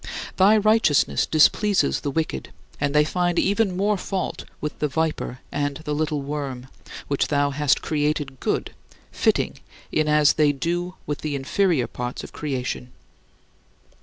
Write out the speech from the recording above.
Thy righteousness displeases the wicked, and they find even more fault with the viper and the little worm, which thou hast created good, fitting in as they do with the inferior parts of creation.